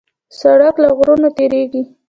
سړک له غرونو تېرېږي.